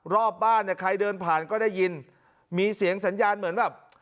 รอบบ้านเนี่ยใครเดินผ่านก็ได้ยินมีเสียงสัญญาณเหมือนแบบ